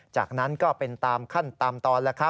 จากนั้นก็เป็นตามขั้นตามตอน